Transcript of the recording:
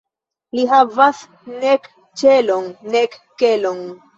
Li havas nek ĉelon, nek kelon.